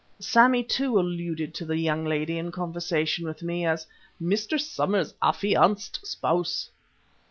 Sammy, too, alluded to the young lady in conversation with me, as "Mr. Somers's affianced spouse."